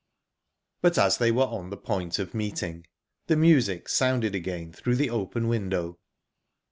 But as they were on the point of meeting, the music sounded again through the open window.